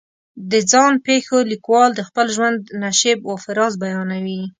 د ځان پېښو لیکوال د خپل ژوند نشیب و فراز بیانوي.